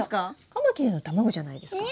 カマキリの卵じゃないですか。